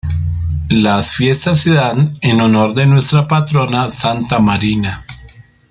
Las fiestas se dan en honor de nuestra patrona Santa Marina.